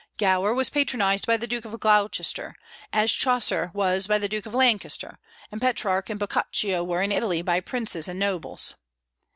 Gower was patronized by the Duke of Gloucester, as Chaucer was by the Duke of Lancaster, and Petrarch and Boccaccio were in Italy by princes and nobles.